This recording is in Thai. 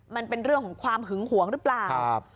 มันเป็นเรื่องของความหึงหวงหรือเปล่า